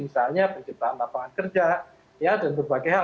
misalnya penciptaan lapangan kerja dan berbagai hal